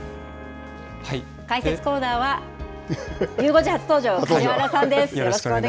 解説コーナーはゆう５時初登場、梶原さんです。